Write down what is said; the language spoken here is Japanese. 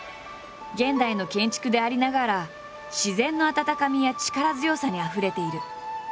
現代の建築でありながら自然の温かみや力強さにあふれている。